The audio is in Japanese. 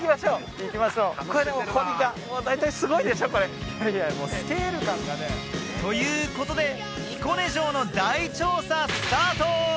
行きましょうこのお堀がすごいでしょこれもうスケール感がねということで彦根城の大調査スタート！